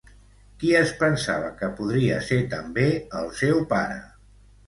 Qui es pensava que podria ser també el seu pare?